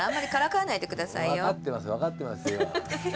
分かってます分かってますよ。